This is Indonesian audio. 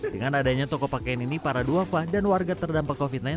dengan adanya toko pakaian ini para duafa dan warga terdampak covid sembilan belas